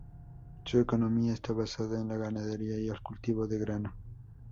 Su economía estaba basada en la ganadería y el cultivo de grano.